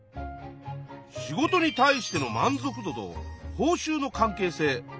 「仕事に対しての満足度と報酬の関係性」。